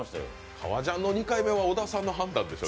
革ジャンの２回目は小田さんの判断でしょう？